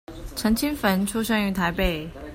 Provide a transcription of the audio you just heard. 陳清汾出生於台北